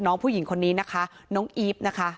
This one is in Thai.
น้องผู้หญิงคนนี้นะคะน้องอีฟนะคะ